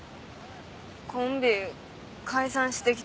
コンビ解散してきてん。